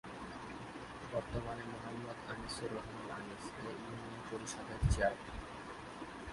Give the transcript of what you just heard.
বর্তমানে মোহাম্মদ আনিসুর রহমান আনিস এ ইউনিয়ন পরিষদের চেয়ারম্যান।